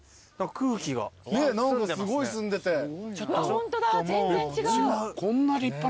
ホントだ全然違う。